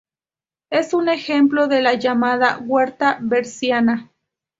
Es un ejemplo de la llamada "huerta berciana".